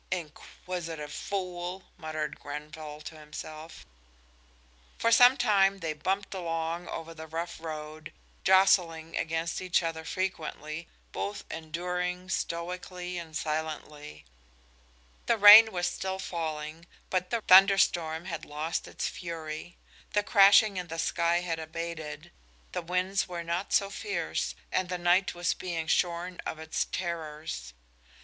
"Inquisitive fool!" muttered Gren to him= self. For some time they bumped along over the rough road, jostling against each other frequently, both enduring stoically and silently. The rain was still falling, but the thunder storm had lost its fury. The crashing in the sky had abated, the winds were not so fierce, the night was being shorn of its terrors.